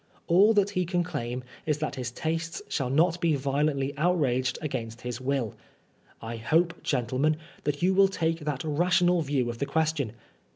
All that he can claim is that his taste shall not be violentiy outraged against his wilL I hope, gentlemen, you will take that rational view of the question.